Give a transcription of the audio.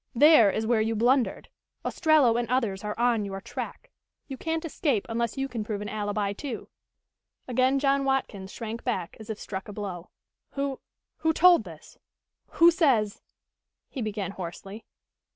There is where you blundered. Ostrello and others are on your track. You can't escape unless you can prove an alibi, too." Again John Watkins shrank back as if struck a blow. "Who who told this who says " he began hoarsely.